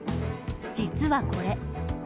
実はこれ。